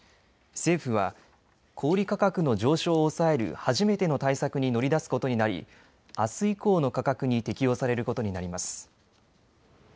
政府は小売価格の上昇を抑える初めての対策に乗り出すことになりあす以降の価格に適用されることになります。